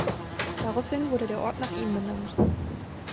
Daraufhin wurde der Ort nach ihm benannt.